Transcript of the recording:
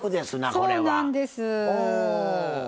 そうなんです。